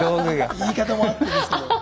言い方もあってですけど。